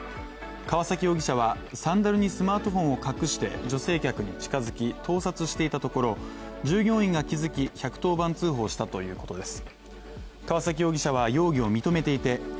川崎容疑者はサンダルにスマートフォンを隠して女性客に近づき、盗撮していたところ、従業員が気づき、１１０番通報したということです。